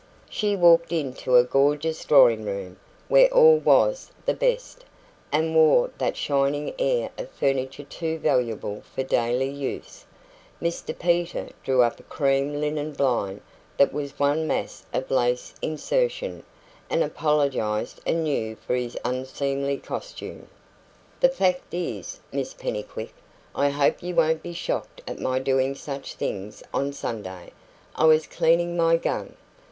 She walked into a gorgeous drawing room, where all was of the best, and wore that shining air of furniture too valuable for daily use. Mr Peter drew up a cream linen blind that was one mass of lace insertion, and apologised anew for his unseemly costume. "The fact is, Miss Pennycuick I hope you won't be shocked at my doing such things on Sunday I was cleaning my gun.